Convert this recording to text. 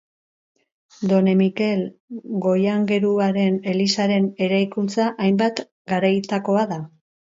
Done Mikel goiaingeruaren elizaren eraikuntza hainbat garaitakoa da.